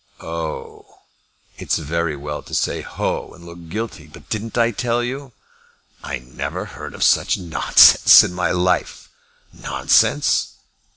"Oh h!" "It's very well to say ho, and look guilty, but didn't I tell you?" "I never heard such nonsense in my life." "Nonsense?"